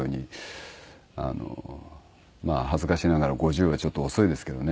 まあ恥ずかしながら５０はちょっと遅いですけどね